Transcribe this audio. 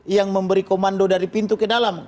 yang memberi komando dari pintu ke dalam